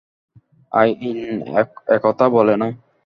আইন একথা বলে না।